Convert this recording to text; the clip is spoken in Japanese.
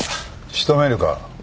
仕留めるか？